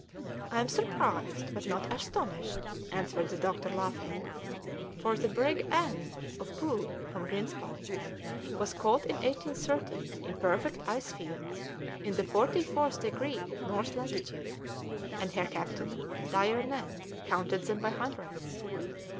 "I am surprised, but not astonished," answered the doctor, laughing; "for the brig Ann, of Poole, from Greenspond, was caught in 1813 in perfect ice fields, in the forty fourth degree of north latitude, and her captain, Dayernent, counted them by hundreds!"